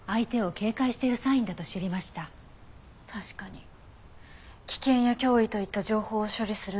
確かに危険や脅威といった情報を処理するのは右の脳。